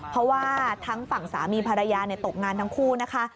เพราะว่าทั้งฝั่งสามีภรรยาตกงานทั้งคู่นะคะ